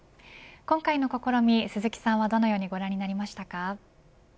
今回の試み、鈴木さんはどのようにご覧になりましたか。